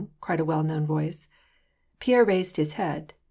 cried a well known voice. Pierre raised his head.